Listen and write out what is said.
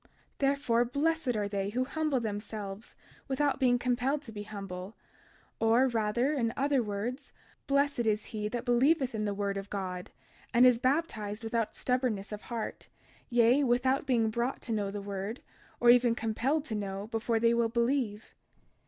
32:16 Therefore, blessed are they who humble themselves without being compelled to be humble; or rather, in other words, blessed is he that believeth in the word of God, and is baptized without stubbornness of heart, yea, without being brought to know the word, or even compelled to know, before they will believe.